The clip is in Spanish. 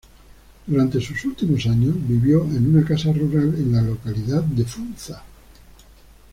Durante sus últimos años vivió en una casa rural en la localidad de Funza.